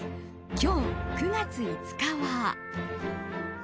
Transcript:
今日、９月５日は。